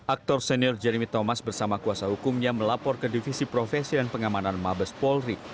aktor senior jeremy thomas bersama kuasa hukumnya melapor ke divisi profesi dan pengamanan mabes polri